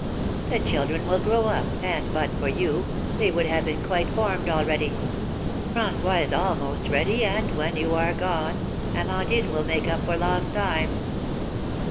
"The children will grow up, and, but for you, they would have been quite formed already. François is almost ready, and, when you are gone, Amandine will make up for lost time."